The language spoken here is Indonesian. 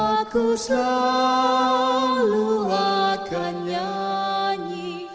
aku selalu akan nyanyi